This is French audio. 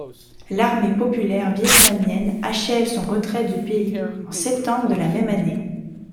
L'Armée populaire vietnamienne achève son retrait du pays en septembre de la même année.